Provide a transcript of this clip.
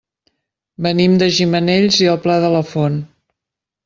Venim de Gimenells i el Pla de la Font.